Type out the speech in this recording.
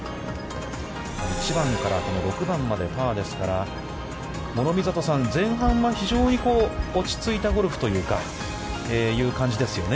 １番から６番までパーですから、諸見里さん、前半は非常に落ちついたゴルフという、そういう感じですよね。